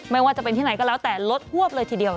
ไม่ว่าจะเป็นที่ไหนก็แล้วแต่รถฮวบเลยทีเดียว